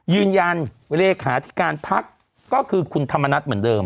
ยืนยันเลขาธิการพักก็คือคุณธรรมนัฐเหมือนเดิม